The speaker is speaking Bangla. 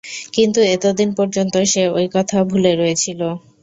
কিন্তু এতদিন পর্যন্ত সে ঐ কথা ভুলে রয়েছিল।